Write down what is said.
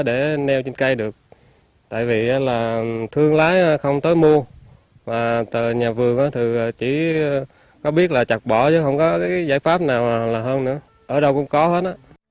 để neo trên cây được tại vì là thương lái không tới mua và nhà vườn thì chỉ có biết là chặt bỏ chứ không có cái giải pháp nào là hơn nữa ở đâu cũng có hết